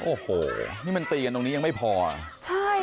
โอ้โหนี่มันตีกันตรงนี้ยังไม่พอใช่